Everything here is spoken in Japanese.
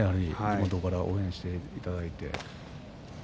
地元から応援していただいて。